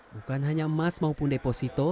bukan hanya emas maupun deposito